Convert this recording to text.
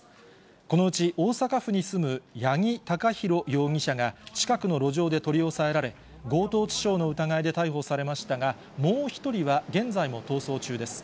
このうち大阪府に住む八木貴寛容疑者が、近くの路上で取り押さえられ、強盗致傷の疑いで逮捕されましたが、もう１人は現在も逃走中です。